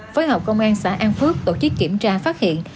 phối hợp công an xã an phước tổ chức kiểm tra phát hiện